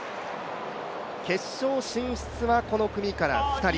決勝進出はこの組から２人。